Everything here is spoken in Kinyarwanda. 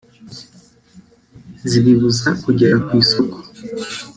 zibibuza kugera ku isoko